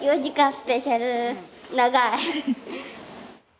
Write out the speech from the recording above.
スペシャル長い。